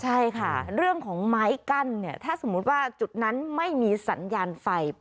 ใช่ค่ะเรื่องของไม้กั้นเนี่ยถ้าสมมุติว่าจุดนั้นไม่มีสัญญาณไฟ